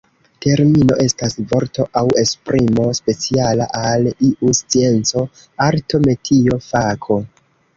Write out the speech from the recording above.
Termino estas vorto aŭ esprimo speciala al iu scienco, arto, metio, fako.